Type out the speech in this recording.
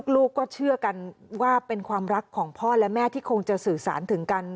ลูกก็เชื่อกันว่าเป็นความรักของพ่อและแม่ที่คงจะสื่อสารถึงกัน